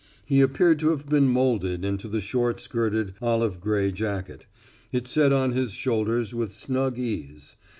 He appeared to have been molded into the short skirted, olive gray jacket; it set on his shoulders with snug ease.